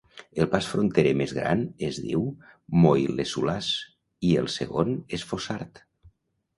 El pas fronterer més gran es diu Moillesulaz i el segon és Fossard.